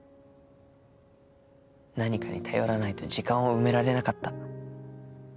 何かに頼らないと時間を埋められなかった。